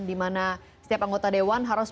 di mana setiap anggota dewan harus